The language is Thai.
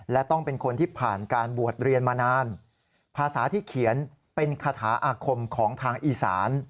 และต้องเป็นคนที่ผ่านการบวชเรียนมานานภาษาที่เขียนเป็นคาถาอาคมของทางอีสาน